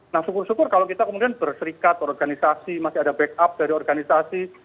nah syukur syukur kalau kita kemudian berserikat organisasi masih ada backup dari organisasi